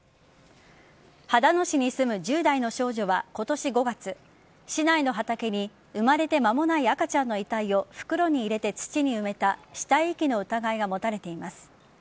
秦野市に住む１０代の少女は今年５月市内の畑に生まれて間もない赤ちゃんの遺体を袋に入れて土に埋めた死体遺棄の疑いが持たれています。